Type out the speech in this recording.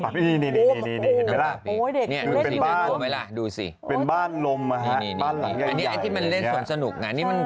เพราะเราหมุนไว้ทะเลเอาน้ำทะเลขึ้นไปแต่ว่า